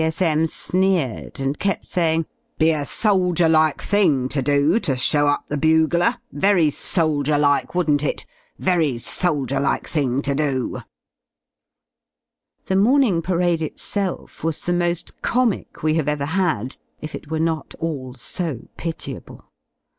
C.S.M. sneered, and kept saying: '''Be a soldierlike thing to do to show up the bugler — very soldierlike y zvouldn't it? Very soldierlike thing to do^ The morning parade itself was the mo^ comic we have ever had, if it were not all so pitiable.